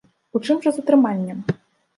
У чым жа затрыманне?